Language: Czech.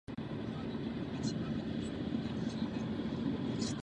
Státy Perského zálivu od vypuknutí války začaly Iráku poskytovat značně vysoké půjčky.